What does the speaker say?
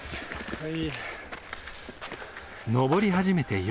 はい。